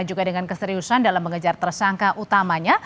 dan juga dengan keseriusan dalam mengejar tersangka utamanya